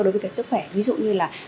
đối với sức khỏe ví dụ như